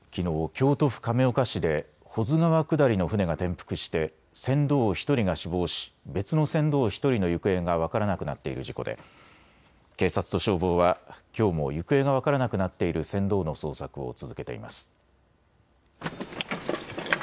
京都府亀岡市で保津川下りの舟が転覆して船頭１人が死亡し別の船頭１人の行方が分からなくなっている事故で警察と消防はきょうも行方が分からなくなっている船頭の捜索を続けています。